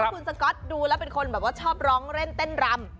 คุณสก๊อตดูแล้วเป็นคนแบบว่าชอบร้องเล่นเต้นรำ